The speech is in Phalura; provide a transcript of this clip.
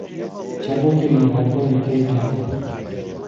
چلُٹِمیی بٹوم کے جانوۡ؟